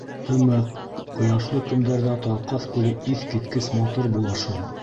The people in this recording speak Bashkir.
Тымыҡ, ҡояшлы көндәрҙә Талҡаҫ күле иҫ киткес матур була шул.